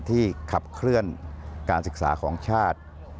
ขับเคลื่อนการศึกษาของชาติ